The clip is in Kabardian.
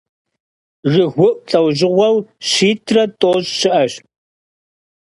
ЖыгыуIу лIэужьыгъуэу щитIрэ тIощI щыIэщ.